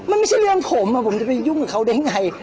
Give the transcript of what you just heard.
มันไม่ใช่เรื่องผมผมจะไปยุ่งกับเขาได้ไง